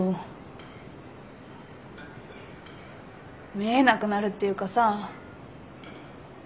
見えなくなるっていうかさ